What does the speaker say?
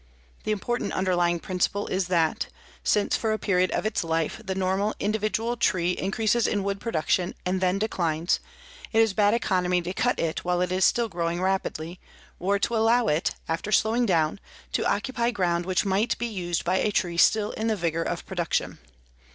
The important underlying principle is that, since for a period of its life the normal individual tree increases in wood production and then declines, it is bad economy to cut it while it is still growing rapidly or to allow it, after slowing down, to occupy ground which might be used by a tree still in the vigor of production.